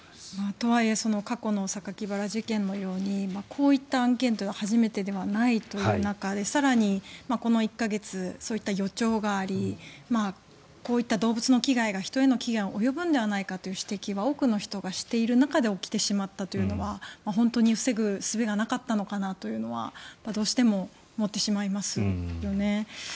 とはいえ過去の酒鬼薔薇事件のようにこういった案件は初めてではないという中で更にこの１か月そういった予兆がありこういった動物の危害が人への危害が及ぶんじゃないかという心配は多くの人がしている中で起きてしまったというのは本当に防ぐすべはなかったのかなというのはどうしても思ってしまいますよね。